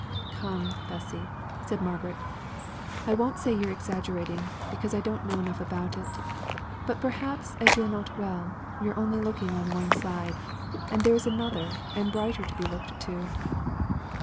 "Come, Bessy," said Margaret, "I won't say you're exaggerating, because I don't know enough about it: but, perhaps, as you're not well, you're only looking on one side, and there is another and a brighter to be looked to."